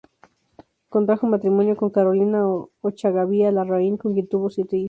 Contrajo matrimonio con Carolina Ochagavía Larraín, con quien tuvo siete hijos.